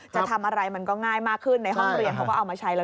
จะทำอะไรมันก็ง่ายมากขึ้นในห้องเรียนเขาก็เอามาใช้แล้ว